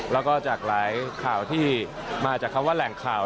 แล้วก็จากหลายข่าวที่มาจากคำว่าแหล่งข่าว